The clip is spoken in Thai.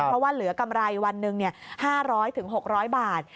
เพราะว่าเหลือกำไรวันหนึ่ง๕๐๐๖๐๐บาท